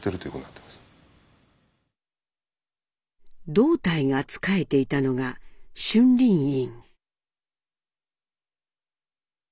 道泰が仕えていたのが「春林院」。